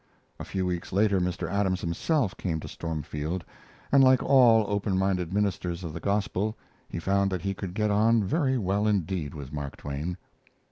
A few weeks later Mr. Adams himself came to Stormfield, and, like all open minded ministers of the Gospel, he found that he could get on very well indeed with Mark Twain.